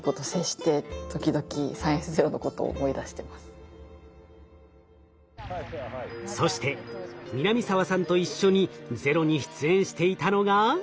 その時にそして南沢さんと一緒に「ＺＥＲＯ」に出演していたのが。